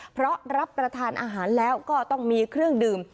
เพราะรับประทานอาหารแล้วก็ต้องมีเครื่องดื่ม